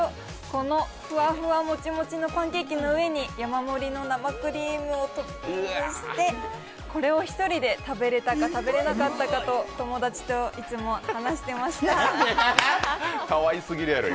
このふわふわもちもちのパンケーキの上に山盛りの生クリームをトッピングしてこれを１人で食べれたか食べれなかったかとかわいすぎるやろ。